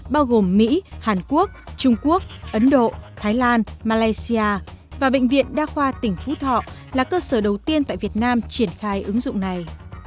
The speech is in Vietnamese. bao gồm mỹ hàn quốc trung quốc ấn độ thái lan malaysia và bệnh viện đa khoa tỉnh phú thọ là cơ sở đầu tiên tại việt nam triển khai ứng dụng này